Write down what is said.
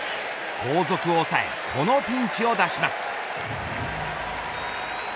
後続を抑えこのピンチを脱します。